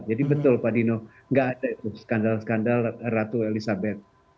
jadi betul pak dino nggak ada skandal skandal ratu elizabeth